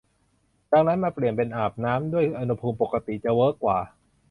ดังนั้นมาเปลี่ยนเป็นอาบน้ำด้วยอุณหภูมิปกติจะเวิร์กกว่า